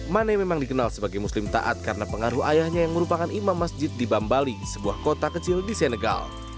mane memang dikenal sebagai muslim taat karena pengaruh ayahnya yang merupakan imam masjid di bambali sebuah kota kecil di senegal